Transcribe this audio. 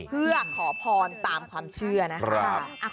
เพื่อขอพรตามความเชื่อนะคะ